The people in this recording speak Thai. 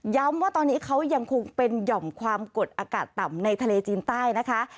ว่าตอนนี้เขายังคงเป็นหย่อมความกดอากาศต่ำในทะเลจีนใต้นะคะ